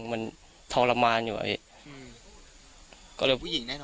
มันทรมานอยู่